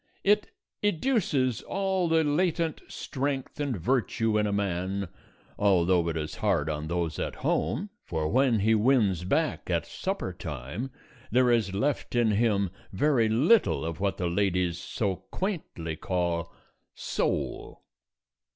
It educes all the latent strength and virtue in a man (although it is hard on those at home, for when he wins back at supper time there is left in him very little of what the ladies so quaintly call "soul").